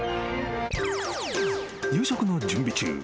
［夕食の準備中］